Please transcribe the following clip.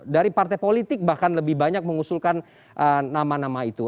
dari partai politik bahkan lebih banyak mengusulkan nama nama itu